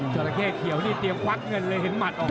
เจ้าตะแค่เขียวนี่เตรียมวักเงินเลยเห็นหมัดออกไป